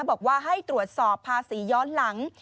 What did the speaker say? บอกว่าให้ตรวจสอบภาษีย้อนหลัง